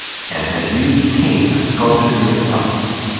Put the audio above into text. And then you became a sculptor yourself.